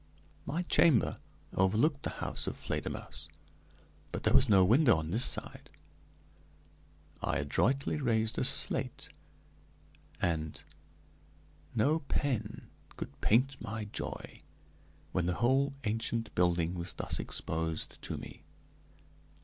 My chamber overlooked the house of Fledermausse; but there was no window on this side. I adroitly raised a slate, and no pen could paint my joy when the whole ancient building was thus exposed to me.